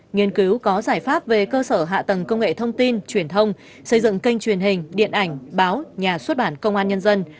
nghiên cứu có giải pháp về cơ sở hạ tầng công nghệ thông tin truyền thông xây dựng kênh truyền hình điện ảnh báo nhà xuất bản công an nhân dân